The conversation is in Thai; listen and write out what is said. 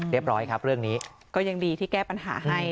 ร้อยครับเรื่องนี้ก็ยังดีที่แก้ปัญหาให้